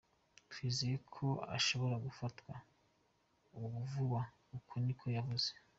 Twizeye ko ashobora gufatwa ubu vuba”, uko ni ko yavuze.